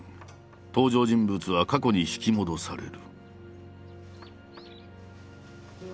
登場人物は過去に引き戻される。